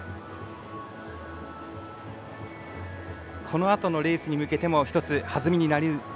このあとのレースに向けても一つ弾みになるでしょうかね。